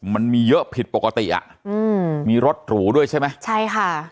มันมีเยอะผิดปกติอ่ะอืมมีรถหรูด้วยใช่ไหมใช่ค่ะ